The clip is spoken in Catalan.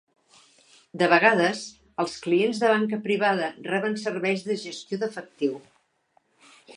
De vegades, els clients de banca privada reben serveis de gestió d'efectiu.